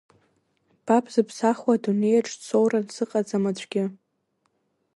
Ба бзыԥсахуа адунеиаҿ дсоуран сыҟаӡам аӡәгьы.